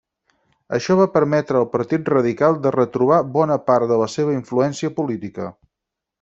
Això va permetre al Partit Radical de retrobar bona part de la seva influència política.